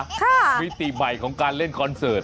มิติใหม่ของการเล่นคอนเสิร์ต